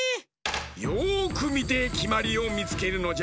よくみてきまりをみつけるのじゃ。